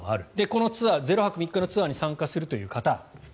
このツアー０泊３日のツアーに参加するという方